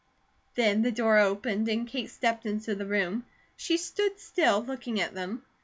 Then the door opened, and Kate stepped into the room. She stood still, looking at them.